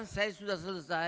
saya sudah selesai